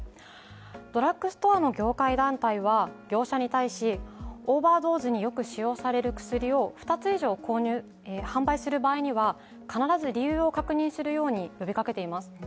ドラッグストアの業界団体は、業者に対しオーバードーズによく使用される薬を２つ以上販売する場合には必ず理由を確認するように呼びかけています。